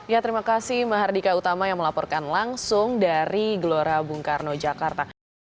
ya terima kasih mahardika utama yang melaporkan langsung dari gelora bung karno jakarta